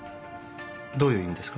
どういう意味ですか？